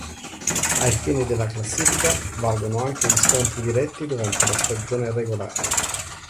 Ai fini della classifica valgono anche gli scontri diretti durante la stagione regolare.